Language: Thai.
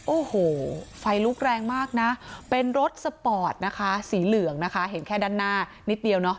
โอ้โหไฟลุกแรงมากนะเป็นรถสปอร์ตนะคะสีเหลืองนะคะเห็นแค่ด้านหน้านิดเดียวเนอะ